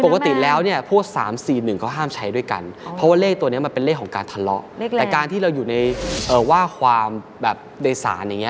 ก็อยู่ในว่าความในศาลอย่างนี้